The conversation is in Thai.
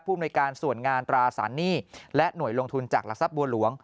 อำนวยการส่วนงานตราสารหนี้และหน่วยลงทุนจากหลักทรัพย์บัวหลวง